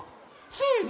せの！